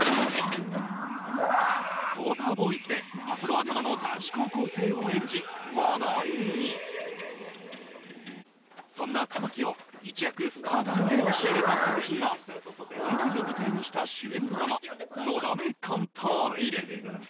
うわっ「ＷＡＴＥＲＢＯＹＳ」でアフロ頭の男子高校生を演じ話題にそんな玉木を一躍スターダムに押し上げた作品が音大を舞台にした主演ドラマ「のだめカンタービレ」